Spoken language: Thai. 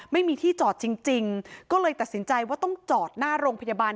ไม่มีที่จอดจริงจริงก็เลยตัดสินใจว่าต้องจอดหน้าโรงพยาบาล